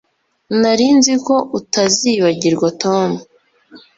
Nari nzi ko utazibagirwa Tom